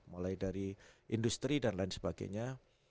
mulai dari industri dan lain sebagainya